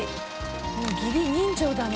もう義理人情だね。